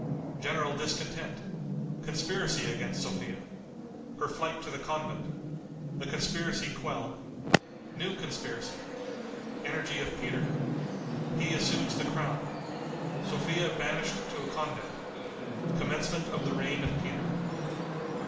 General Discontent. Conspiracy against Sophia. Her Flight to the Convent. The Conspiracy Quelled. New Conspiracy. Energy of Peter. He Assumes the Crown. Sophia Banished to a Convent. Commencement of the Reign of Peter.